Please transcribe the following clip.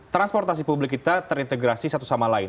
transportasi publik kita terintegrasi satu sama lain